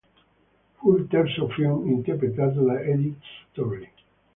Fu il terzo film interpretato da Edith Storey.